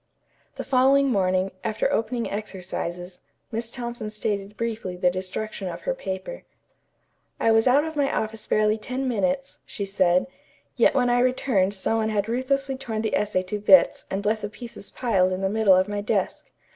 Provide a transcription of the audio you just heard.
The following morning, after opening exercises, Miss Thompson stated briefly the destruction of her paper. "I was out of my office barely ten minutes," she said, "yet when I returned some one had ruthlessly torn the essay to bits and left the pieces piled in the middle of my desk.